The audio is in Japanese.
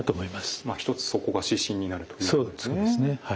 一つそこが指針になるということなんですね。